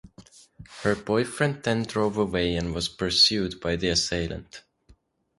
Her boyfriend then drove away and was pursued by the assailant.